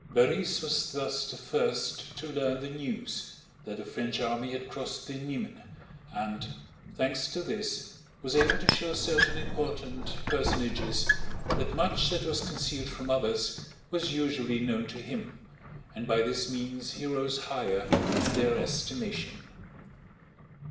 Borís was thus the first to learn the news that the French army had crossed the Niemen and, thanks to this, was able to show certain important personages that much that was concealed from others was usually known to him, and by this means he rose higher in their estimation.